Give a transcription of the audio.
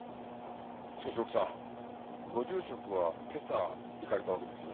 しかし奥さんご住職は今朝行かれたわけですよね？